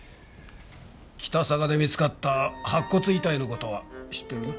北嵯峨で見つかった白骨遺体の事は知ってるね？